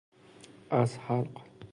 از حلق